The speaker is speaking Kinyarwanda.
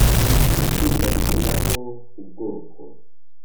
itsinda rishyiraho ubwoko